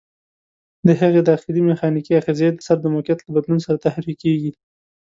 د هغې داخلي میخانیکي آخذې د سر د موقعیت له بدلون تحریکېږي.